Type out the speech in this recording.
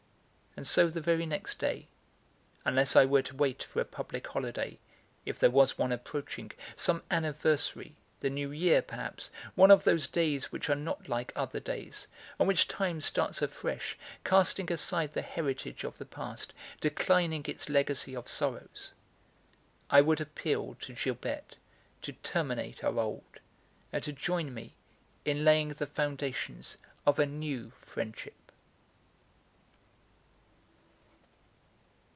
And so the very next day (unless I were to wait for a public holiday, if there was one approaching, some anniversary, the New Year, perhaps, one of those days which are not like other days, on which time starts afresh, casting aside the heritage of the past, declining its legacy of sorrows) I would appeal to Gilberte to terminate our old and to join me in laying the foundations of a new friendship.